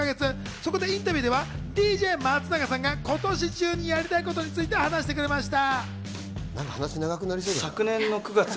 そこでインタビューではＤＪ松永さんが今年中にやりたいことについて話してくれました。